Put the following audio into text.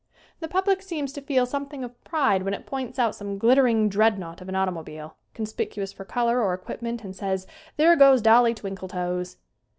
The public seems to feel some thing of pride when it points out some glitter ing dreadnaught of an automobile, conspicuous for color or equipment, and says, "There goes Dolly Twinkletoes!"